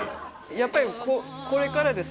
やっぱりこれからですね